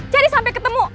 cari sampai ketemu